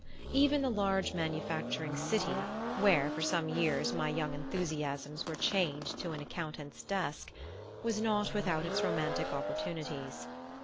Even the large manufacturing city where, for some years, my young enthusiasms were chained to an accountant's desk, was not without its romantic opportunities.